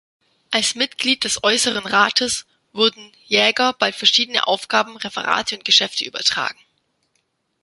Als Mitglied des Äußeren Rates wurden Jäger bald verschiedene Aufgaben, Referate und Geschäfte übertragen.